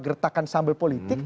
gertakan sambil politik